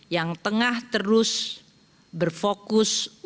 yang tengah terus berfokus untuk melakukan pengkhianatan